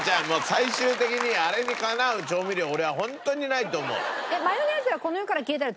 最終的にあれにかなう調味料俺は本当にないと思う。